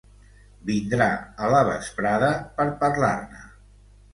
Vindrà a la vesprada per parlar-ne.